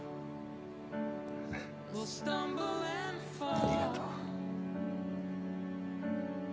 ありがとう。